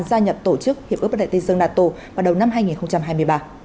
gia nhập tổ chức hiệp ước bất đại tây dương nato vào đầu năm hai nghìn hai mươi ba